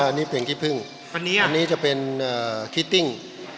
อันนี้เป็นขี้พึ่งอันนี้จะเป็นคิตติ้ง